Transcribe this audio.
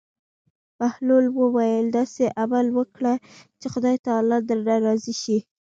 بهلول وویل: داسې عمل وکړه چې خدای تعالی درنه راضي شي.